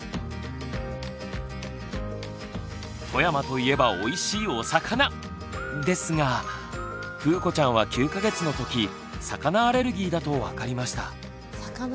富山といえばおいしいお魚！ですがふうこちゃんは９か月の時魚アレルギーだと分かりました。